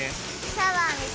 シャワーみたい。